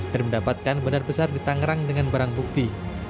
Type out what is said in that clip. dan mendapatkan bandar besar ditangerang dengan barang bukti